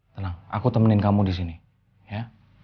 tenang aku temenin kamu di sini ya